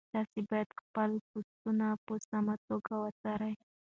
تاسي باید خپل پوسټونه په سمه توګه وڅارئ.